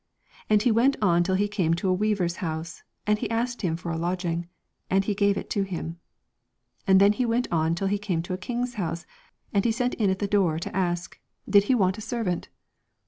And he went on till he came to a weaver's house, and he asked him for a lodging, and he gave it to him. And then he went on till he came to a king's house, and he sent in at the door to ask, ' Did he want 212 a servant